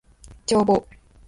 帳簿